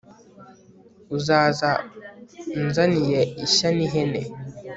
uzaza unzaniye ishya n'ihene